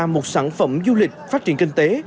một sản phẩm du lịch phát triển kinh tế